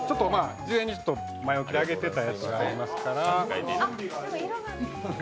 事前に前置きで揚げてたやつがありますから。